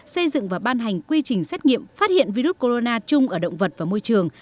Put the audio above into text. xây dựng và ban hành quy trình xét nghiệm phát hiện virus corona chung ở động vật và môi trường